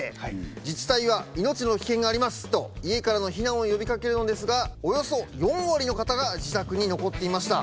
自治体は命の危険がありますと家からの避難を呼びかけるのですがおよそ４割の方が自宅に残っていました。